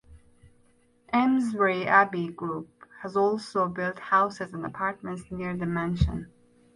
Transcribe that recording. Amesbury Abbey Group has also built houses and apartments near the mansion.